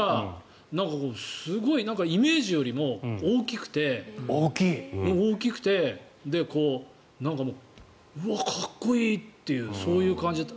すごいイメージよりも大きくてうわ、かっこいい！っていうそういう感じだった。